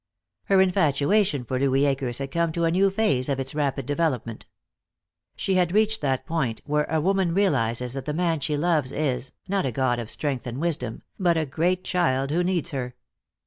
Her infatuation for Louis Akers had come to a new phase of its rapid development. She had reached that point where a woman realizes that the man she loves is, not a god of strength and wisdom, but a great child who needs her.